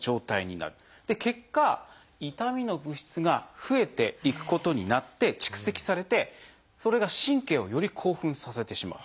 結果痛みの物質が増えていくことになって蓄積されてそれが神経をより興奮させてしまう。